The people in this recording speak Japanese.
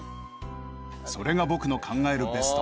それが僕の考えるベスト。